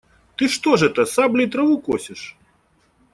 Ты что ж это, саблей траву косишь?